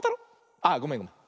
あごめんごめん。